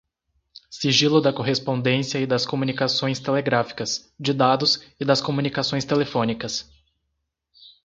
sigilo da correspondência e das comunicações telegráficas, de dados e das comunicações telefônicas